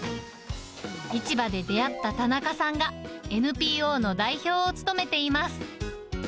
市場で出会った田中さんが、ＮＰＯの代表を務めています。